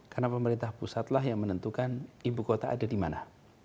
karena pemerintah pusatlah yang menentukan ibu kota ada di mana